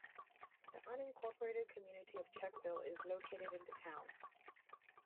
The unincorporated community of Czechville is located in the town.